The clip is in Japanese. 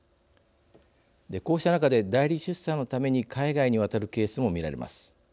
こうした中で代理出産のために海外に渡るケースも見られます。